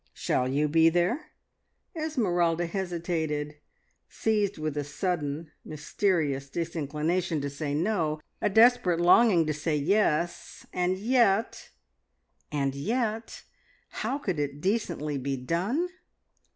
Shall you be there?" Esmeralda hesitated, seized with a sudden mysterious disinclination to say "No," a desperate longing to say "Yes," and yet and yet, how could it decently be done?